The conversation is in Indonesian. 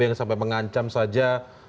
yang sampai mengancam saja